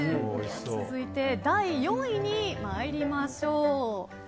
続いて第４位に参りましょう。